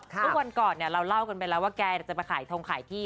ทุกวันก่อนเราเล่ากันไปแล้วว่าแกจะไปขายทงขายที่